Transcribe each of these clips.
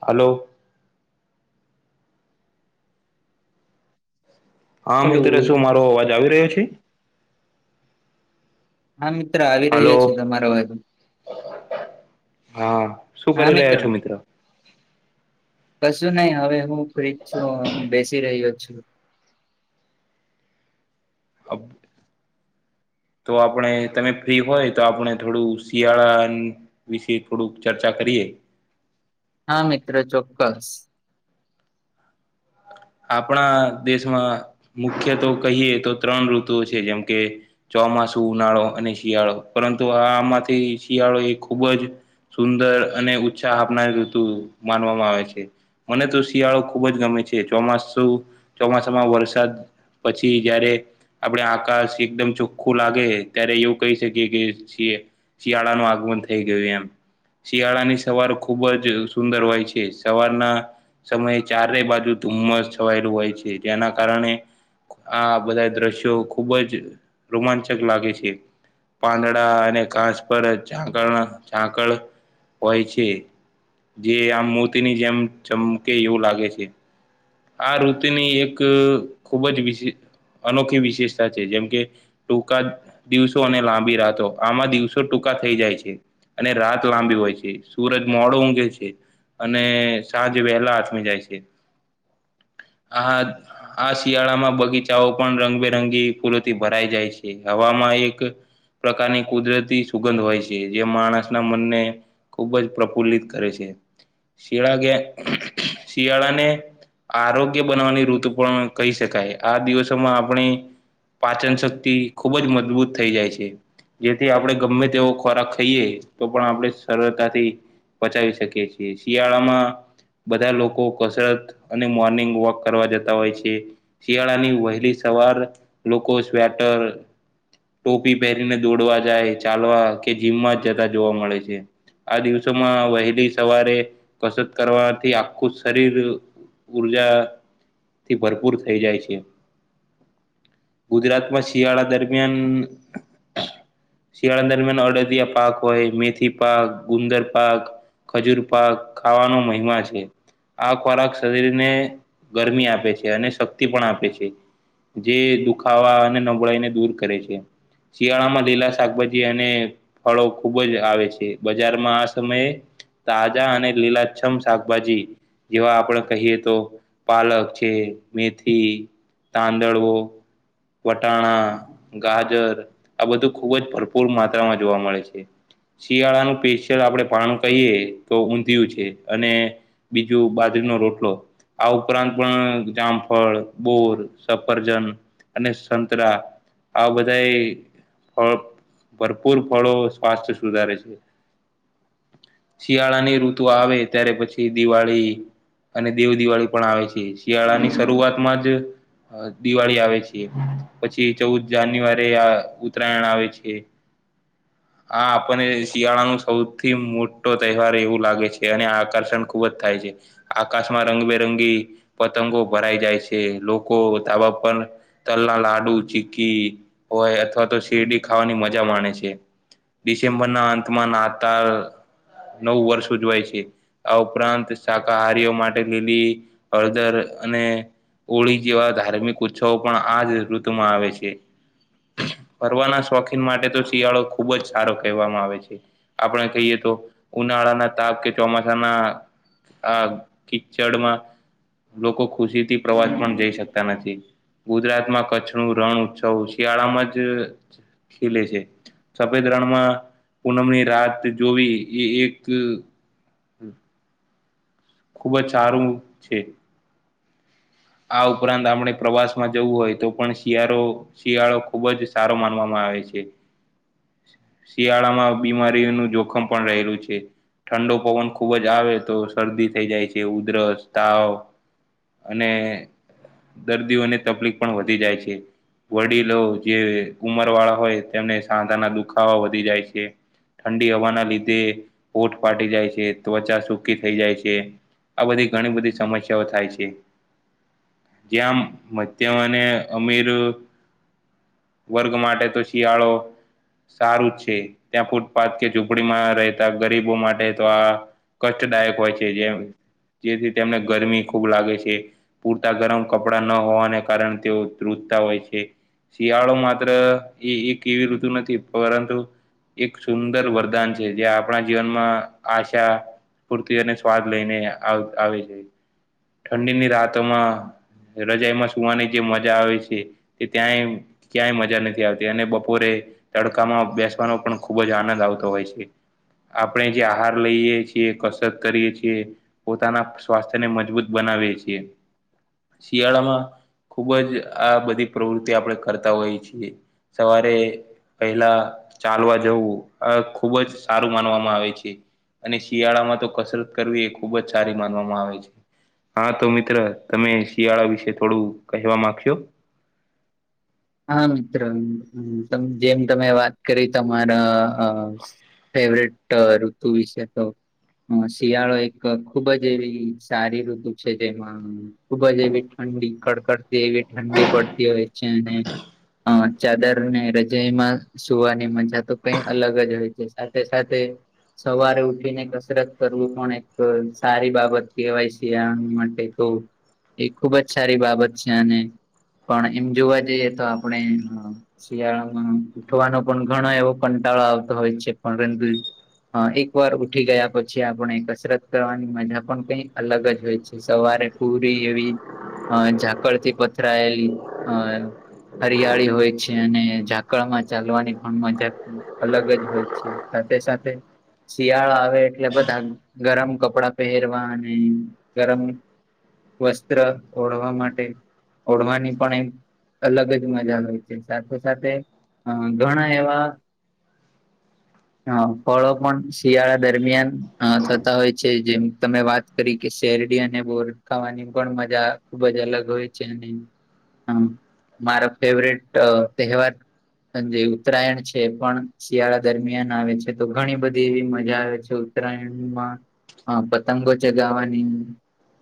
Hello હા hello મિત્ર શું મારો અવાજ આવી રહ્યો છે? હા મિત્ર આવી હલો રહ્યો છે તમારો અવાજ. હા શું કરી રહ્યા છો મિત્ર? કશું નહી હવે હું ફ્રીજ છું હવે હું બેસી રહ્યો છું. અબ તો આપણે તમે ફ્રી હોય તો આપણે થોડું શિયાળા વિશે થોડુંક ચર્ચા કરીએ. હા મિત્ર ચોક્કસ. આપણા દેશમાં મુખ્ય તો કહીએ તો ત્રણ ઋતુઓ છે જેમ કે ચોમાસું, ઉનાળો અને શિયાળો પરંતુ આ આમાંથી શિયાળો એ ખૂબ જ સુંદર અને ઉત્સાહ આપનારી ઋતુ માનવામાં આવે છે. મને તો શિયાળો ખુબ જ ગમે છે. ચોમાસું ચોમાસામાં વરસાદ પછી જયારે આપણે આકાશ એકદમ ચોખ્ખું લાગે ત્યારે એવું કહી શકીએ કે છીએ શિયાળાનું આગમન થઈ ગયું એમ. શિયાળાની સવાર ખુબ જ સુંદર હોય છે સવારના સમયે ચારે બાજુ ધુમ્મસ છવાયેલું હોય છે જેના કારણે આ બધા દ્રશ્યો ખુબ જ રોમાંચક લાગે છે. પાંદડા અને ઘાસ પર જાકડના ઝાકળ હોય છે. જે આમ મોતીની જેમ ચમકે એવું લાગે છે. આ ઋતીની એક ખૂબ જ વિશે અનોખી વિશેષતા છે. જેમ કે ટૂંકા દિવસો અને લાંબી રાતો આમાં દિવસો ટૂંકા થઈ જાય છે. અને રાત લાંબી હોય છે. સુરજ મોડો ઊંઘે છે. અને સાંજ વહેલા આથમી જાય છે. આ આ શિયાળામાં બગીચાઓ પણ રંગબેરંગી ફૂલોથી ભરાઈ જાય છે. હવામાં એક પ્રકારની કુદરતી સુગંધ હોય છે જે માણસના મનને ખૂબ જ પ્રફુલ્લિત કરે છે. શિયાળા ગે શિયાળાને આરોગ્ય બનવાની ઋતુ પણ કહી શકાય. આ દિવસોમાં આપણે પાચન શક્તિ ખૂબ જ મજબૂત થઈ જાય છે. જેથી આપણે ગમે તેવો ખોરાક ખઈએ તો પણ આપણે સરળતાથી પચાવી શકીએ છીએ. શિયાળામાં બધા લોકો કસરત અને મોર્નિંગ વોક કરવા જતા હોય છે. શિયાળાની વહેલી સવાર લોકો સ્વેટર ટોપી પહેરીને દોડવા જાય, ચાલવા કે જીમમાં જ જતા જોવા મળે છે. આ દિવસોમાં વહેલી સવારે કસરત કરવાથી આખું શરીર ઉર્જા થી ભરપૂર થઈ જાય છે. ગુજરાત માં શિયાળા દરમિયાન શિયાળા દરમિયાન અડદિયા પાક હોય મેથી પાક ગુંદર પાક ખજૂર પાક ખાવાનો મહિમા છે આ ખોરાક શરીરને ગરમી આપે છે અને શક્તિ પણ આપે છે. જે દુખાવા અને નબળાઈને દૂર કરે છે. શિયાળામાં લીલા શાકભાજી અને ફળો ખૂબ જ આવે છે. બજારમાં આ સમયે તાજા અને લીલાછમ શાકભાજી જેવા આપણે કહીએ તો પાલક છે, મેથી, તાંદડવો વટાણા ગાજર આ બધું ખુબ જ ભરપૂર માત્રામાં જોવા મળે છે. શિયાળાનું સ્પેશીયલ આપણે પાણ કહીએ તો ઊંધિયું છે અને બીજું બાજરીનો રોટ લો આ ઉપરાંત પણ જામફળ બોર સફરજન અને સંતરા આ બધાય ફળ ભરપૂર ફળો સ્વાસ્થ્ય સુધારે છે. શિયાળા ની ઋતુ આવે ત્યારે પછી દિવાળી અને દેવ દિવાળી પણ આવે છે શિયાળા ની શરૂઆત માં જ દિવાળી આવે છે પછી ચૌદ જાન્યુઆરી આ ઉત્તરાયણ આવે છે. હ હા આપણને શિયાળા નો સૌથી મોટો તહેવાર એવું લાગે છે અને આકર્ષણ ખુબ જ થાય છે. આકાશમાં રંગબેરંગી પતંગો ભરાઈ જાય છે લોકો ધાબાપર તલના લાડુ ચીકી હોય અથવા તો શેરડી ખાવાની મજા માણે છે. ડિસેમ્બર ના અંતમાં નાતાલ નવુ વર્ષ ઉજવાય છે આ ઉપરાંત કહારીઓ માટે લીલી હળદર અને હોળી જેવા ધાર્મિક ઉત્સવો પણ આજ ઋતુમાં આવે છે. ફરવાના શોખીન માટે તો શિયાળો ખુબ જ સારો કહેવામાં આવે છે. આપણેે કહીએ તો ઉનાળાના તાપ કે ચોમાસાના આ કિચડમાં લોકો ખુશી થી પ્રવાસ પણ જઈ શક તા નથી ગુજરાતમાં કચ્છ ન રણ ઉત્સવ શિયાળામાં જ ખેલે છે સફેદ રણમાં પૂનમની રાત જોવી એ એક હમ ખુબ જ સારું છે. આ ઉપરાંત આપણે પ્રવાસમાં જવું હોય તો પણ શિયાળો શિયાળો ખુબ જ સારો માનવામાં આવે છે. શિયાળામાં બીમારીઓનું જોખમ પણ રહેલું છે. ઠંડો પવન ખુબ જ આવે તો શરદી થઈ જાય છે. ઉધરસ, તાવ, અને દર્દીઓને તકલીફ પણ વધી જાય છે. વડીલો જે ઉમર વાળા હોય તેમને સાંધાના દુખાવા વધી જાય છે. ઠંડી હવાના લીધે હોઠ ફાટી જાય છે, ત્વચા સુકી થઈ જાય છે, આ બધી ઘણી બધી સમસ્યાઓ થાય છે. જ્યાં મધ્યમ અને અમીર વર્ગ માટે તો શિયાળો સારું છે ત્યાં ફૂટપાથ કે ઝૂંપડીમાં રહેતા ગરીબો માટે તો આ કષ્ટદાયક હોય છે જે જેથી તેમને ગરમી ખૂબ લાગે છે. પૂરતા ગરમ કપડાં ન હોવાને કારણે તેઓ ધ્રુજતા હોય છે. શિયાળો માત્ર એ એક એવી ઋતુ નથી પરંતુ એક સુંદર વરદાન છે જે આપણા જીવનમાં આશા ફુરતી અને સ્વાદ લઈને આવે છે ઠંડીની રાતોમાં રજાાઈમાં સુવાની જે મજા આવે છે તે ક્યાંય ક્યાંય મજા નથી આવતી અને બપોરે તડકામાં બેસવાનો પણ ખુબ જ આનંદ આવતો હોય છે આપણે જે આહાર લઈએ છીએ કસરત કરીએ છીએ પોતાના સ્વાસ્થ્ય ને મજબૂત બનાવીએ છીએ શિયાળામાં ખુબ જ આ બધી પ્રવૃત્તિ આપણે કરતા હોઈ છીએ સવારે પહેલા ચાલવા જવું આ ખુબ જ સારું માનવામાં આવે છે અને શિયાળામાં તો કસરત કરવી એ ખુબ જ સારી માનવામાં આવે છે હા તો મિત્ર તમે શિયાળા વિશે થોડું કહેવા માંગશો હા મિત્ર જેમ તમે વાત કરી તમારા ફેવરેટ ઋતુ વિશે તો હ શિયાળો એક ખુબ જ એવી સારી ઋતુ છે જેમાં ખુબ જ એવી ઠંડી કડકડતી એવી ઠંડી પડતી હોય છે અને અ ચાદર ને રજઈમાં સુવાની મજા તો કઈ અલગ જ હોય છે સાથે સાથે સવારે ઉઠીને કસરત કરવું પણ એક સારી બાબત કહેવાય શિયાળ માટે તો એ ખુબ જ સારી બાબત છે અને પણ એમ જોવા જઈ તો આપણે હ શિયાળામાં ઉઠવાનો પણ ઘણો એવો કંટાળો આવતો હોય છે પણ પરંતુ હ એકવાર ઉઠી ગયા પછી આપણે કસરત કરવાની મજા પણ કઈક અલગ જ હોય છે સવારે પૂરી એવી અ ઝાકળથી પથરાયેલી અ હરિયાળી હોય છે અને ઝાકળમાં ચાલવાની પણ મજા અલગ જ હોય છે સાથે સાથે શિયાળો આવે એટલે બધા ગરમ કપડાં પહેરવા અને ગરમ વસ્ત્ર ઓળવા માટે ઓળવાની પણ એક અલગ જ મજા હોય છે સાથે સાથે અ ઘણા એવા હ ફળો પણ શિયાળા દરમિયાન થતા હોય છે જેમ તમે વાત તરીકે શેરડી અને બોર ખાવાની પણ મજા ખુબ જ અલગ હોય છે અને હ મારો ફેવરેટ તહેવાર જે ઉત્તરાયણ છે એ પણ શિયાળા દરમિયાન આવે છે તો ઘણી બધી એવી મજા આવે છે ઉત્તરાયણમાં પતંગો ચગાવાની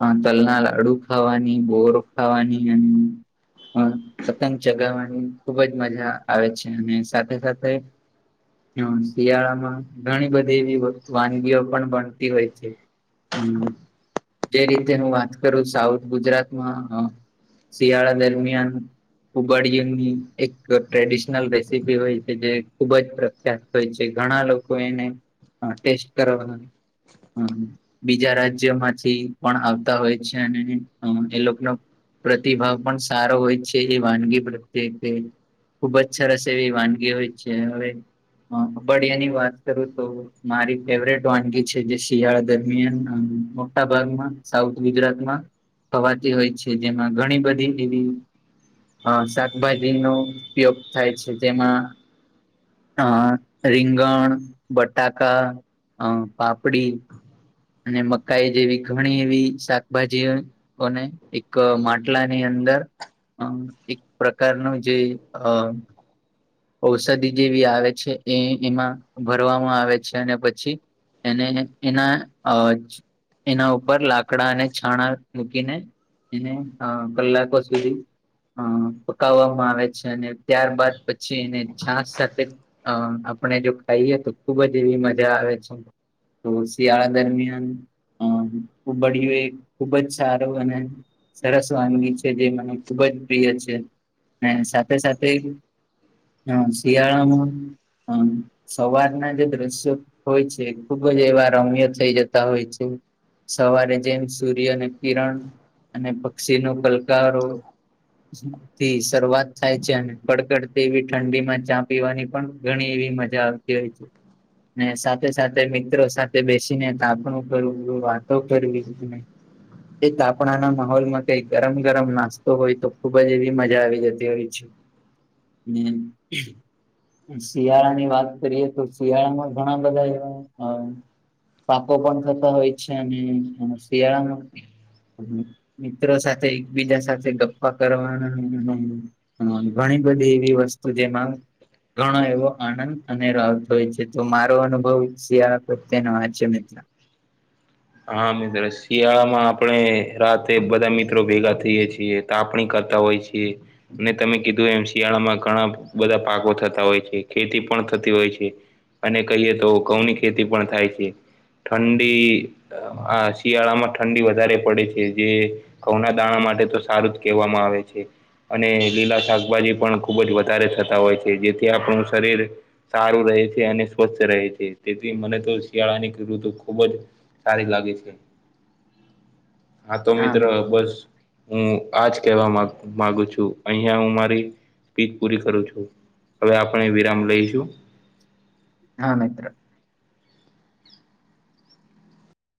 હ તલના લાડુ ખાવાની બોર ખાવાની અને અ પતંગ ચગાવવાની ખુબ જ મજા આવે છે અને સાથે સાથે હમ્મ શિયાળામાં ઘણી બધી એવી વાનગીઓ પણ બનતી હોય છે હમ્મ જે રીતે હું વાત કરું સાઉથ ગુજરાતમાં શિયાળા દરમિયાન ઉબડીયા ની એક ટ્રેડિશનલ રેસીપી હોય છે જે ખુબ જ હોય છે ઘણા લોકો એને ટેસ્ટ કરવા હ બીજા રાજ્ય માંથી પણ આવતા હોય છે અને એ લોકોનો પ્રતિભાવ પણ સારો હોય છેં એ વાનગી પ્રત્યે ખુબ જ સરસ એવી વાનગી હોય છે હવે ઉબડીયા ની વાત કરું તો મારી ફેવરેટ વાનગી છે જે શિયાળ દરમિયાન મોટા ભાગમાં સાઉથ ગુજરાતમાં ખવાતી હોય છે જેમાં ઘણી બધી એવી અ શાકભાજી નો ઉપયોગ થાય છે જેમાં અ રીંગણ બટાકા અ પાપડી અને મકાઈ જેવી ઘણી એવી શાકભાજી કોને એક માટલાની અંદર અ એક પ્રકારનું જે અ ઔષધિ જેવી આવે છે એ એમાં ભરવામાં આવે છે અને પછી એને એના અ એના ઉપર લાકડા અને છાણા મૂકીને એને હ કલાકો સુધી અ પકાવવામાં આવે છે અને ત્યારબાદ પછી છે અને છાસ સાથે અ આપણે જો ખાઈએ તો ખુબ જ એવી મજા આવે છે તો શિયાળા દરમિયાન ઉબળિયું એ ખુબ જ સારું અને સરસ વાનગી છે જે મને ખુબ જ પ્રિય છે અને સાથે સાથે હા શિયાળામાં હા સવારના જે દ્રશ્યો હોય છે ખુબ જ એવા રમ્ય થઈ જતા હોય છે. સવારે જેમ સૂર્યને કિરણ અને પક્ષી ન કલકારો થી શરૂઆત થાય છે અને કડકડ એવી ઠંડીમાં ચા પીવાની પણ ઘણી એવી મજા આવતી હોય છે. ને સાથે સાથે મિત્રો સાથે બેસીને તાપણું કરવું વાતો કરવી. એ તાપણાના માહોલમાં કઈ ગરમ ગરમ નાસ્તો હોય તો ખુબ જ એવી મજા આવી જતી હોય છે. હમ શિયાળા ની વાત કરીએ તો શિયાળા માં ઘણા બધા એવા પાકો પણ થતા હોય છે અને શિયાળામાં મિત્રો સાથે એકબીજા સાથે ગપ્પા કરવાના હ ઘણી બધી એવી વસ્તુ જેમાં ઘણો એવો આનંદ અને રાવથ હોય છે તો મારો અનુભવ શિયાળા પ્રત્યનો આ છે મિત્ર. હા મિત્રો શિયાળામાં આપણે રાતે બધા મિત્રો ભેગા થઈએ છીએ. તા આપણી કરતા હોય છીએ. ને તમે કીધું એમ શિયાળામાં ઘણા બધા પાકો થતા હોય છે ખેતી પણ થતી હોય છે. અને કહીએ તો ઘઉં ની ખેતી પણ થાય છે ઠંડી હા શિયાળામાં ઠંડી વધારે પડે છે. જે ઘઉંના દાણા માટે તો સારું જ કહેવામાં આવે છે. અને લીલા શાકભાજી પણ ખુબ જ વધારે થતા હોય છે જેથી આપણું શરીર સારું રહે છે અને સ્વસ્થ રહે છે તેથી મને તો શિયાળાની ખેડૂત ખુબ જ સારી લાગે છે. હા તો મિત્ર બસ હું આજ કેવા મા મામાંગુ છું અહિયાં હું મારી સ્પી પૂરી કરું છું, હવે આપણે વિરામ લઈશું. હા મિત્ર